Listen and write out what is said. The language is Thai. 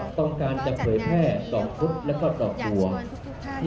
ก็ต้องการจะเผยแพร่ต่อภูมิและก็ต่อภูมิ